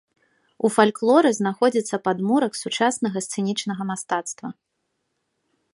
У фальклоры знаходзіцца падмурак сучаснага сцэнічнага мастацтва.